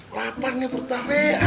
lapar nih buat bape